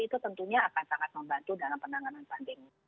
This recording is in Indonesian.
itu tentunya akan sangat membantu dalam penanganan pandemi